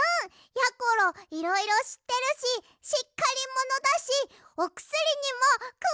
やころいろいろしってるししっかりものだしおくすりにもくわしいし！